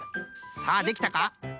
さあできたか？